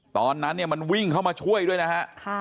ตอนนั้นเนี่ยมันวิ่งเข้ามาช่วยด้วยนะฮะ